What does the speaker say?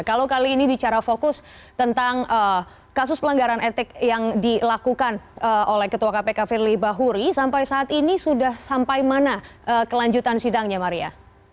kalau kali ini bicara fokus tentang kasus pelanggaran etik yang dilakukan oleh ketua kpk firly bahuri sampai saat ini sudah sampai mana kelanjutan sidangnya maria